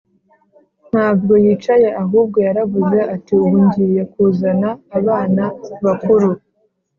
ntabwo yicaye ahubwo yaravuze ati: "ubu ngiye kuzana abana bakuru